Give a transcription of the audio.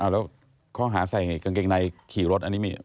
แล้วข้อหาใส่กางเกงในขี่รถอันนี้มี